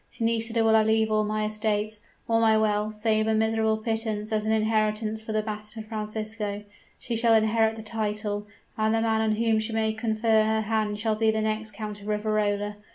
To Nisida will I leave all my estates all my wealth, save a miserable pittance as an inheritance for the bastard Francisco. She shall inherit the title, and the man on whom she may confer her hand shall be the next Count of Riverola.